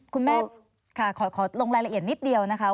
คุณแม่ค่ะขอลงรายละเอียดนิดเดียวนะคะ